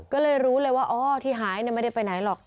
ก็เลยรู้เลยว่าอ๋อที่หายไม่ได้ไปไหนหรอก